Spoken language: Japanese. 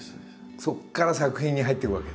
そこから作品に入っていくわけだ。